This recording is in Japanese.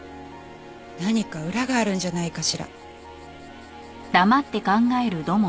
何か裏があるんじゃないかしら。